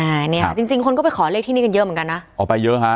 อันนี้ค่ะจริงจริงคนก็ไปขอเลขที่นี่กันเยอะเหมือนกันนะอ๋อไปเยอะฮะ